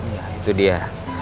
ya itu dia